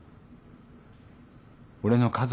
俺の家族。